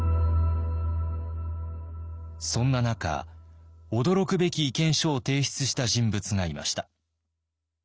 そんな中驚くべき意見書を提出した人物がいました。